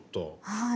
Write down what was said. はい。